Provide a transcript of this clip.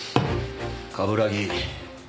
冠城。